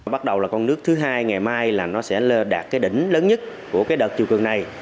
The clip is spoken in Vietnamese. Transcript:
bắt đầu là con nước thứ hai ngày mai là nó sẽ đạt cái đỉnh lớn nhất của cái đợt chiều cường này